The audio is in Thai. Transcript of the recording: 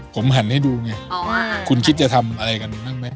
ผมหันให้ดูไงว่าคุณคิดจะทำอะไรกันบ้างไหม